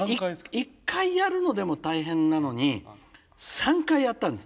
１回やるのでも大変なのに３回やったんです。